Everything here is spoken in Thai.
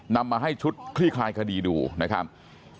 นำมาให้ชุดคลี่คลายคดีดูนะครับ